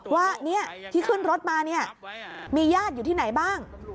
ว่าที่ขึ้นรถมาเนี่ยมีญาติอยู่ที่ไหนบ้าง